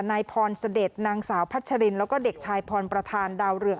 นายพรเสด็จนางสาวพัชรินแล้วก็เด็กชายพรประธานดาวเรือง